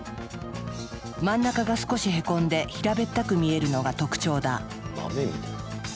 真ん中が少しへこんで平べったく見えるのが特徴だ。